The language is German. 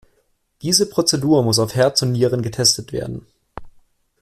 Diese Prozedur muss auf Herz und Nieren getestet werden.